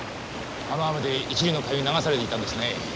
あの雨で一里の下流に流されていたんですね。